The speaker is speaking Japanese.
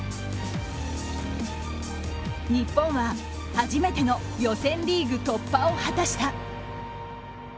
日本は初めての予選リーグ突破を果たした。